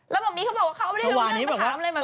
แล้วหม่ามีเขาบอกว่าเขาไม่ได้รู้เรื่องประถามเลย